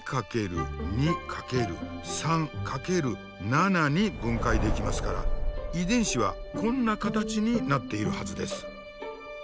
８４は２×２×３×７に分解できますから遺伝子はこんな形になっているはずです。